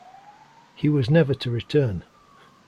He was never to return.